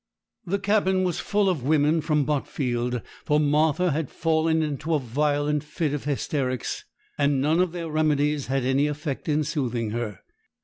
The cabin was full of women from Botfield, for Martha had fallen into violent fits of hysterics, and none of their remedies had any effect in soothing her.